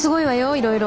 いろいろ。